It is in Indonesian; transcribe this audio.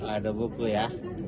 ada buku ya